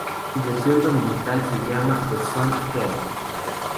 Su versión dominical se llama "The Sun-Herald".